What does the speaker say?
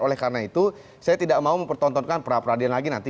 oleh karena itu saya tidak mau mempertontonkan pra peradilan lagi nanti